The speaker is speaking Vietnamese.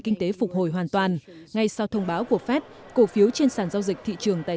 kinh tế phục hồi hoàn toàn ngay sau thông báo của fed cổ phiếu trên sản giao dịch thị trường tài